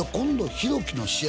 弘貴の試合